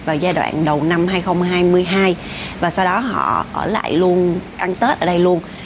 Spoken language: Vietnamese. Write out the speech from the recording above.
vào giai đoạn đầu năm hai nghìn hai mươi hai và sau đó họ ở lại luôn ăn tết ở đây luôn